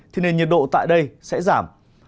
thì nền nhiệt độ tại đây sẽ giảm